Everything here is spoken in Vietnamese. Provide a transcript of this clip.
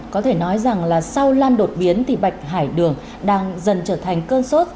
có thể nói rằng là sau lan đột biến thì bạch hải đường đang dần trở thành cơn sốt